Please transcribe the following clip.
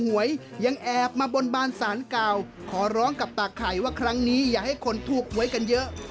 ว่าครั้งนี้อย่าให้คนถูกไว้กันเยอะ